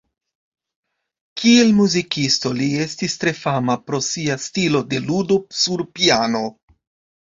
Kiel muzikisto li estis tre fama pro sia stilo de ludo sur piano.